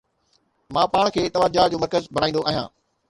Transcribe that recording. مان پاڻ کي توجه جو مرڪز بڻائيندو آهيان